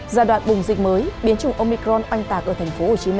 giai đoạn bùng dịch mới biến chủng omicron oanh tạc ở tp hcm